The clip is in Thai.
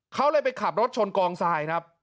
เขาเลยไปขับรถชนกองทรายครับ